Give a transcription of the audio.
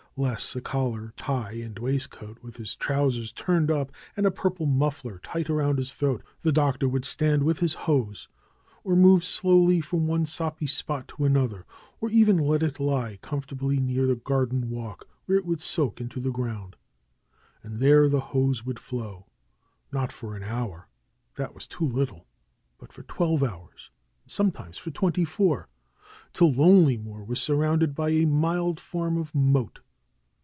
Less a collar, tie and waistcoat, with his trousers turned up and a purple muffler tight around his throat, the Doctor would stand with his hose, or move slowly from one soppy spot to another, or even let it lie com fortably near a garden walk, where it would soak into the ground. And there the hose would flow; not for an hour — that was too little !— ^but for twelve hours, and sometimes for twenty four, till Lonelymoor was surrounded by a mild form of moat.